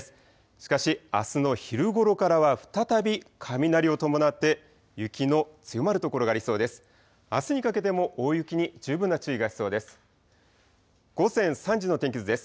しかし、あすの昼ごろからは再び雷を伴って雪の強まる所がありそうです。